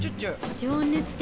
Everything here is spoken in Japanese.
情熱的！